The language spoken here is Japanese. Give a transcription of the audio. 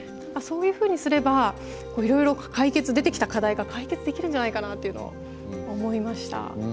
そういうふうにすればいろいろ出てきた課題が解決できるんじゃないかなっていうのを思いました。